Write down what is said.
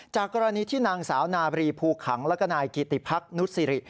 จากกรณีที่นางสาวนาบรีภูขังแล้วก็นายกิติพักนุษริ